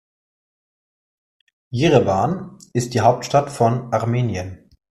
Jerewan ist die Hauptstadt von Armenien.